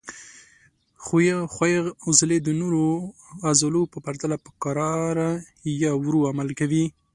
ښویې عضلې د نورو عضلو په پرتله په کراه یا ورو عمل کوي.